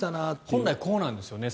本来こうなんですよね。